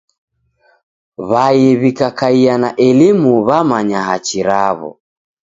W'ai w'ikakaia na elimu wamanya hachi raw'o.